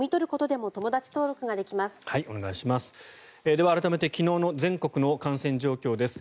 では、改めて昨日の全国の感染状況です。